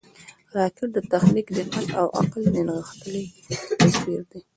راکټ د تخنیک، دقت او عقل نغښتلی تصویر دی